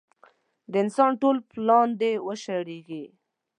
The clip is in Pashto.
د انسان ټول پلان دې وشړېږي.